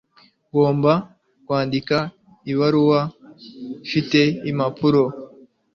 Ngomba kwandika ibaruwa. Ufite impapuro?